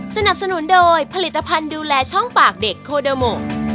สนับสนุนโดยผลิตภัณฑ์ดูแลช่องปากเด็กโคเดอร์โม